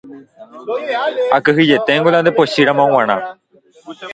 akyhyjeténgo la nde pochýramo g̃uarã